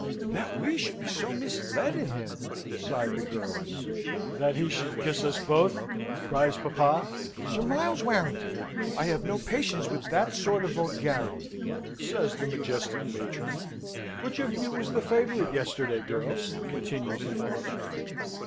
"That we should be so misled in him!" sighed the girls. "That he should kiss us both!" cries papa. "Sir Miles Warrington, I have no patience with that sort of vulgarity!" says the majestic matron. "Which of you was the favourite yesterday, girls?" continues the father.